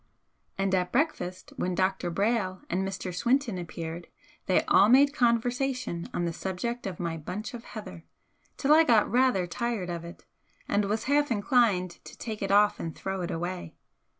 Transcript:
And at breakfast, when Dr. Brayle and Mr. Swinton appeared, they all made conversation on the subject of my bunch of heather, till I got rather tired of it, and was half inclined to take it off and throw it away.